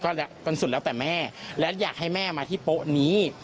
ก็จนสุดแล้วแต่แม่และอยากให้แม่มาที่โป๊ะนี้